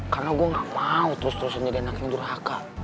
karena gua gak mau terus terusan jadi anak yang durhaka